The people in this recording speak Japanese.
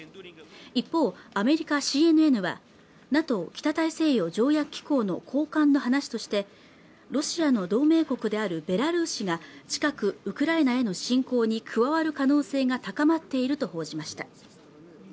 一方アメリカＣＮＮはＮＡＴＯ＝北大西洋条約機構の高官の話としてロシアの同盟国であるベラルーシが近くウクライナへの侵攻に加わる可能性が高まっていると報じました